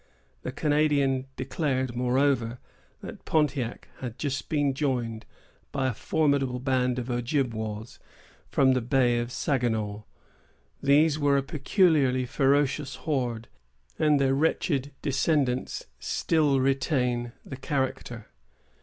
The Canadian declared, moreover, that Pontiac had just been joined by a formidable band of Ojibwas, from the Bay of Saginaw. These were a peculiarly ferocious horde, and their wretched descendants still retain the character.